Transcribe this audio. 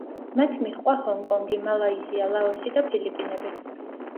მათ მიჰყვა ჰონკონგი, მალაიზია, ლაოსი და ფილიპინები.